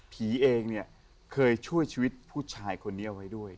เองเนี่ยเคยช่วยชีวิตผู้ชายคนนี้เอาไว้ด้วย